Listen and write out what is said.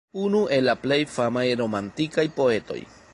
Unu el la plej famaj romantikaj poetoj.